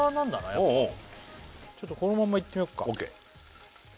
やっぱうんうんちょっとこのままいってみよっかＯＫ